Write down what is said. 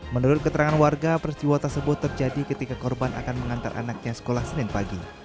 menurut keterangan warga persiwa tersebut terjadi ketika korban akan mengantar anaknya sekolah senin pagi